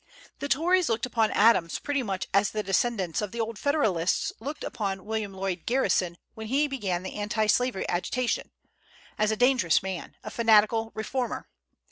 The Tories looked upon Adams pretty much as the descendants of the old Federalists looked upon William Lloyd Garrison when he began the anti slavery agitation, as a dangerous man, a fanatical reformer.